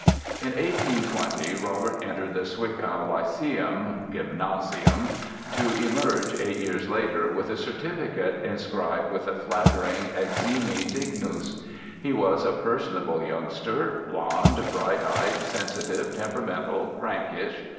In 1820 Robert entered the Zwickau Lyceum ("Gymnasium") to emerge, eight years later, with a certificate inscribed with a flattering eximie dignus. He was a personable youngster, blond, bright eyed, sensitive, temperamental, prankish.